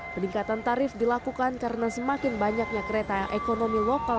peningkatan tarif dilakukan karena semakin banyaknya kereta ekonomi lokal